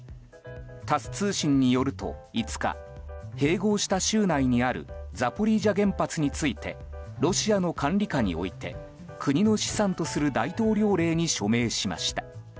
タス通信によると、５日併合した州内にあるザポリージャ原発についてロシアの管理下に置いて国の資産とする大統領令に署名しました。